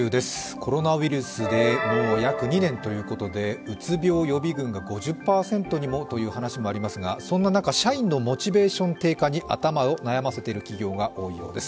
コロナウイルスでもう約２年ということで、うつ病予備軍が５０％にもという話もありますがそんな中、社員のモチベーション低下に頭を悩ませている企業が多いようです。